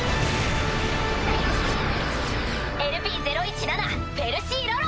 ＬＰ０１７フェルシー・ロロ！